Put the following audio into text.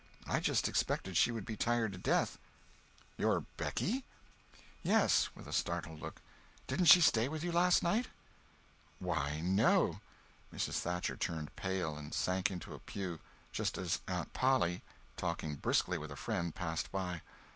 I just expected she would be tired to death." "Your Becky?" "Yes," with a startled look—"didn't she stay with you last night?" "Why, no." Mrs. Thatcher turned pale, and sank into a pew, just as Aunt Polly, talking briskly with a friend, passed by.